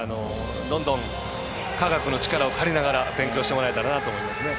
どんどん科学の力を借りながら勉強してもらえればと思いますね。